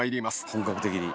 本格的に。